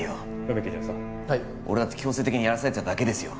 梅木巡査俺だって強制的にやらされただけですよ